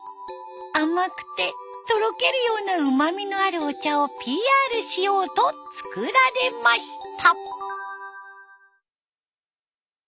甘くてとろけるようなうまみのあるお茶をＰＲしようと作られました。